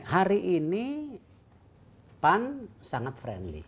hari ini pan sangat friendly